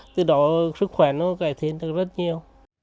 từ đó sức khỏe nó cải thiện được rất nhiều